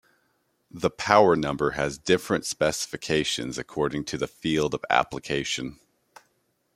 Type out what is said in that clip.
The power-number has different specifications according to the field of application.